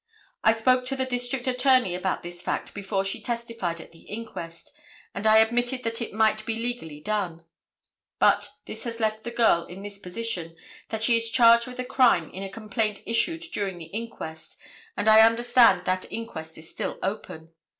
I spoke to the District Attorney about this fact before she testified at the inquest, and I admitted that it might be legally done. But this has left the girl in this position, that she is charged with a crime in a complaint issued during the inquest, and I understand that inquest is still open.